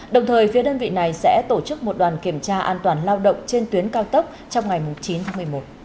đồng thời phía đơn vị này sẽ tổ chức một đoàn kiểm tra an toàn lao động trên tuyến cao tốc trong ngày chín tháng một mươi một